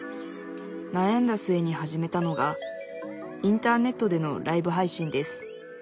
なやんだ末に始めたのがインターネットでのライブ配信です